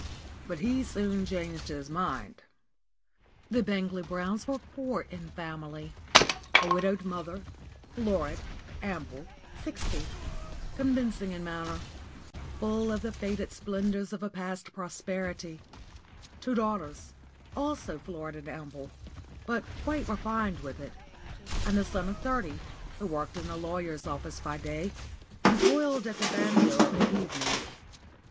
But he soon changed his mind. The Bangley Browns were four in family: a widowed mother, florid, ample, sixty, convincing in manner, full of the faded splendours of a past prosperity; two daughters, also florid and ample, but quite refined with it; and a son of thirty, who worked in a lawyer's office by day, and toiled at the banjo of an evening.